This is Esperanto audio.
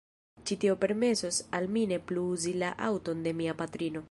Ĉi tio permesos al mi ne plu uzi la aŭton de mia patrino.